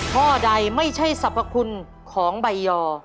ข้อใดไม่ใช่สรรพคุณของใบยอ